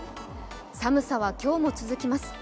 寒さは今日も続きます。